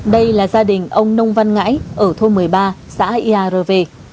đây là gia đình ông nông văn ngãi ở thôn một mươi ba xã ia re